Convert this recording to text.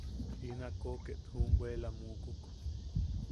In ako ket, juʼubwela mukuk.